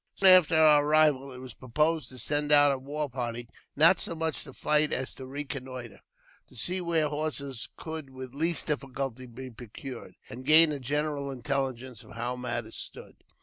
Soon after our arrival, it was proposed to send out a w party, not so much to fight as to reconnoitre ; to see where horses could with least difficulty be procured, and gain a general intelligence of how matters stood.